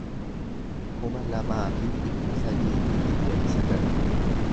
kuma lamaa fi dhibba sadii fi digdamii sagal